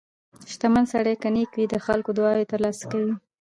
• شتمن سړی که نیک وي، د خلکو دعاوې ترلاسه کوي.